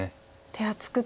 手厚くと。